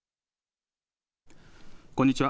こんにちは。